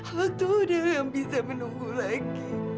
waktu udah gak bisa menunggu lagi